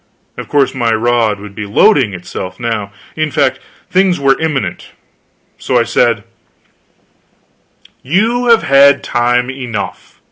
Of course, my rod would be loading itself now. In fact, things were imminent. So I said: "You have had time enough.